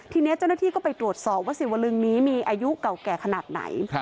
ทีนี้เจ้าหน้าที่ก็ไปตรวจสอบว่าสิวลึงนี้มีอายุเก่าแก่ขนาดไหน